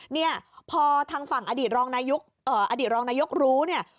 เนี่ยพอทางฝั่งอดีตรองนายกอดีตรองนายกรู้เนี่ย